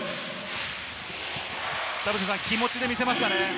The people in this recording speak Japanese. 田臥さん、気持ちで見せましたね。